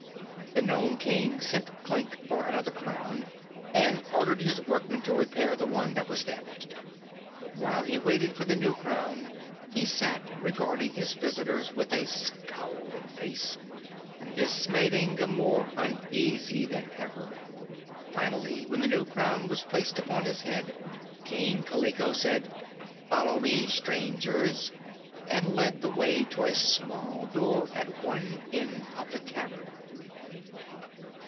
The Nome King sent Klik for another crown and ordered his workmen to repair the one that was damaged. While he waited for the new crown he sat regarding his visitors with a scowling face, and this made Inga more uneasy than ever. Finally, when the new crown was placed upon his head, King Kaliko said: "Follow me, strangers!" and led the way to a small door at one end of the cavern.